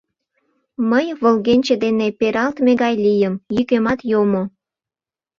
Мый волгенче дене пералтме гай лийым, йӱкемат йомо.